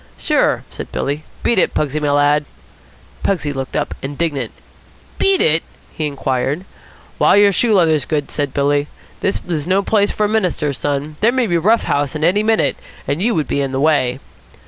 "Sure," said Billy. "Beat it, Pugsy, my lad." Pugsy looked up, indignant. "Beat it?" he queried. "While your shoe leather's good," said Billy. "This is no place for a minister's son. There may be a rough house in here any minute, and you would be in the way."